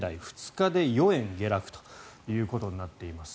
２日で４円下落ということになっています。